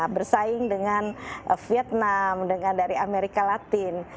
bersaing dengan vietnam dengan dari amerika latin